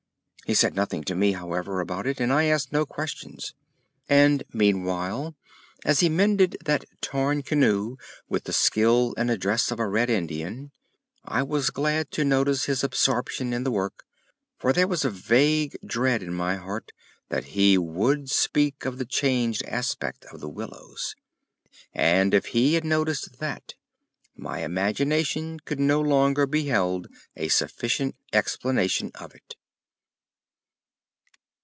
He said nothing to me, however, about it, and I asked no questions. And meanwhile, as he mended that torn canoe with the skill and address of a red Indian, I was glad to notice his absorption in the work, for there was a vague dread in my heart that he would speak of the changed aspect of the willows. And, if he had noticed that, my imagination could no longer be held a sufficient explanation of it.